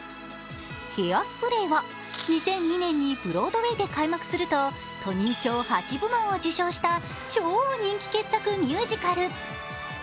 「ヘアスプレー」は２００２年にブロードウェイで開幕するとトニー賞８部門を受賞した超人気傑作ミュージカル。